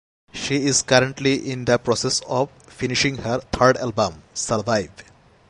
She is currently in the process of finishing her third album, "Survive".